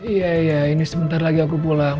iya iya ini sebentar lagi aku pulang